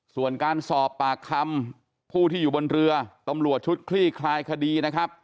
ส่วนการสอบปากคำผู้ที่อยู่บนเรือตำรวจชุดคลี่คลายคดีนะครับ